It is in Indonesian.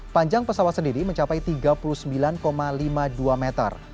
panjang pesawat sendiri mencapai tiga puluh sembilan lima puluh dua meter